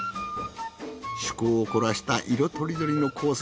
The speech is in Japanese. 趣向を凝らした色とりどりのコース